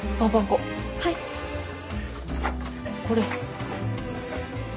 これ。